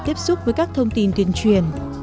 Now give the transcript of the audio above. tiếp xúc với các thông tin tuyên truyền